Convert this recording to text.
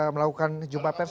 melakukan jumpa pers